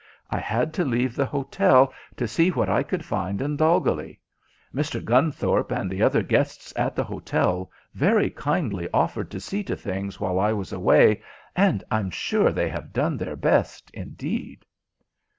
I had to leave the hotel to see what I could find in Dolgelly. Mr. Gunthorpe and the other guests in the hotel very kindly offered to see to things while I was away, and I'm sure they have done their best, indeed."